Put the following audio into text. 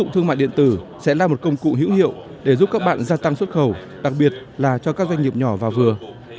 thương mại điện tử sẽ là một công cụ hữu hiệu để giúp các bạn gia tăng xuất khẩu đặc biệt là cho các doanh nghiệp nhỏ và vừa